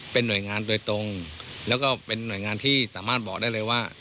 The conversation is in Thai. เป็นหน่วยงานโดยตรงแล้วก็เป็นหน่วยงานที่สามารถบอกได้เลยว่า